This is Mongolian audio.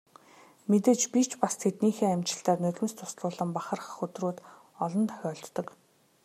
Мэдээж би ч бас тэднийхээ амжилтаар нулимс дуслуулан бахархах өдрүүд олон тохиолддог.